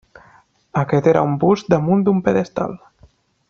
Aquest era un bust damunt un pedestal.